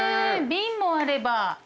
瓶もあれば。